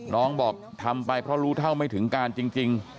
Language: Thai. บอกทำไปเพราะรู้เท่าไม่ถึงการจริง